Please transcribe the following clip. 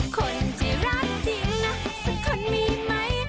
คนที่รักจริงนะสักคนมีไหม